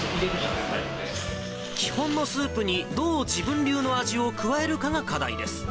基本のスープに、どう自分流の味を加えるかが課題です。